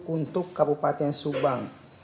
untuk kabupaten subang